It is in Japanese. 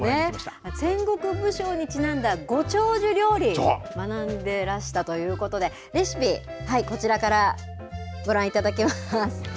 戦国武将にちなんだご長寿料理、学んでらしたということで、レシピ、こちらからご覧いただけます。